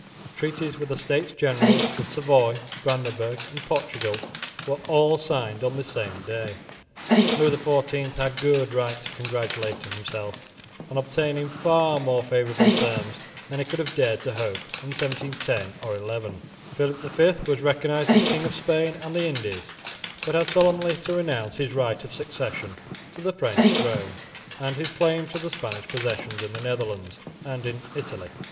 Treaties with the States General, with Savoy, Brandenburg and Portugal, were all signed on this same day. Louis XIV had good right to congratulate himself upon obtaining far more favourable terms than he could have dared to hope in 1710 or 1711. Philip V was recognised as King of Spain and the Indies, but had solemnly to renounce his right of succession to the French throne and his claim to the Spanish possessions in the Netherlands and in Italy.